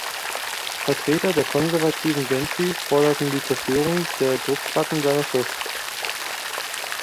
Vertreter der konservativen Gentry forderten die Zerstörung der Druckplatten seiner Schrift.